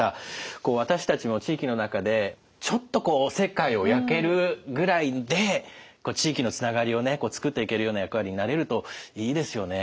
こう私たちも地域の中でちょっとこうおせっかいをやけるぐらいで地域のつながりをね作っていけるような役割になれるといいですよね。